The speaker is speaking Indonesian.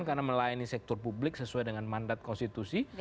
karena melayani sektor publik sesuai dengan mandat konstitusi